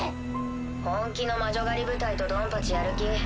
本気の魔女狩り部隊とドンパチやる気？